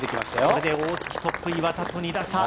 これで大槻、トップ・岩田と２打差。